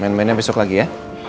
main mainnya besok lagi ya